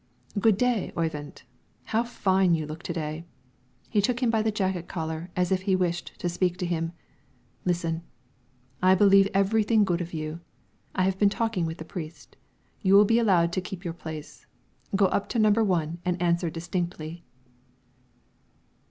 "Good day, Oyvind. How fine you look to day!" He took him by the jacket collar as if he wished to speak to him. "Listen. I believe everything good of you. I have been talking with the priest; you will be allowed to keep your place; go up to number one and answer distinctly!"